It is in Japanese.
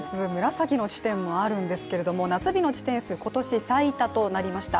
紫の地点もあるんですけど、夏日の地点数、今年最多となりました。